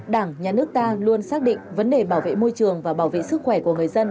đảng nhà nước ta luôn xác định vấn đề bảo vệ môi trường và bảo vệ sức khỏe của người dân